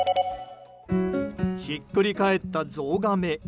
ひっくり返ったゾウガメ。